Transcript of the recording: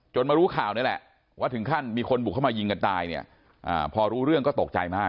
มารู้ข่าวนี่แหละว่าถึงขั้นมีคนบุกเข้ามายิงกันตายเนี่ยพอรู้เรื่องก็ตกใจมาก